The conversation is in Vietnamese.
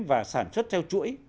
và sản xuất theo chuỗi